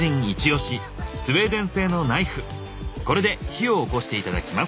これで火をおこして頂きます。